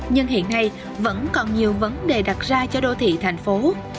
nhưng hiện nay vẫn còn nhiều vấn đề đặt ra cho đô thị thành phố